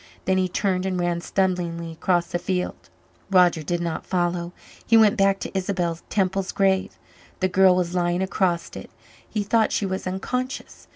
Then he turned and ran stumblingly across the field. Roger did not follow; he went back to Isabel Temple's grave. The girl was lying across it; he thought she was unconscious.